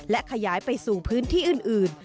และขยายไปสู่พื้นที่อื่น